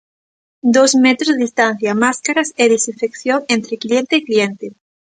Dous metros de distancia, máscaras e desinfección entre cliente e cliente.